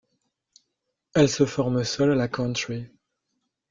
Elle se forme seule à la Country.